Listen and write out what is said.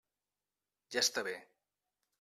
Ja està bé.